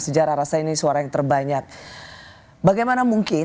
sejarah rasa ini suara yang terbanyak bagaimana mungkin